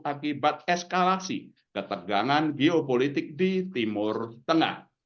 akibat eskalasi ketegangan geopolitik di timur tengah